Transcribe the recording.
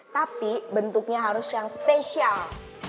tapi bentuknya harus yang spesial